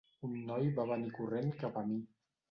Un noi va venir corrent cap a mi.